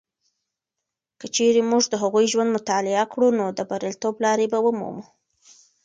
که چیرې موږ د هغوی ژوند مطالعه کړو، نو د بریالیتوب لارې به ومومو.